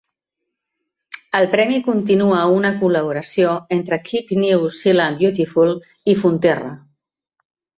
El premi continua una col·laboració entre Keep New Zealand Beautiful i Fonterra.